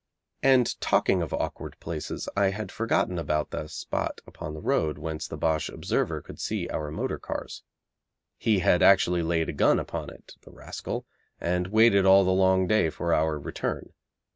And talking of awkward places, I had forgotten about that spot upon the road whence the Boche observer could see our motor cars. He had actually laid a gun upon it, the rascal, and waited all the long day for our return.